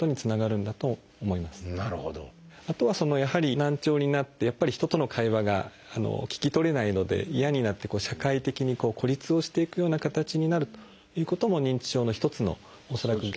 あとはやはり難聴になってやっぱり人との会話が聞き取れないので嫌になって社会的に孤立をしていくような形になるということも認知症の一つの恐らく原因。